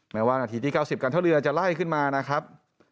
แม้ว่านาทีที่๙๐การเท่าเรือจะไล่ขึ้นมานะครับ